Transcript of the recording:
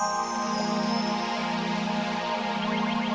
ini jangan yang terbaik buat nonny bu